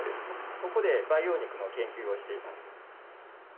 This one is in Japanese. ここで培養肉の研究をしています。